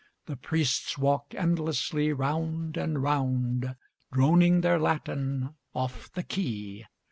The priests walk endlessly Round and round, Droning their Latin Off the key.